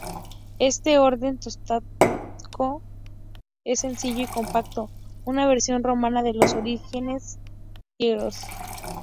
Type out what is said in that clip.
Este orden toscano es sencillo y compacto, una versión romana de los órdenes griegos.